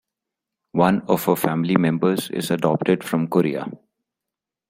One of her family members is adopted from Korea.